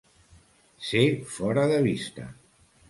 Ser fora de vista.